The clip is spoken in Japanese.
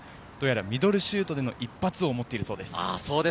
ミドルシュートでの一発を持っているそうです。